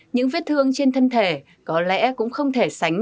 những vết thương trên thân thể có lẽ cũng không thể sánh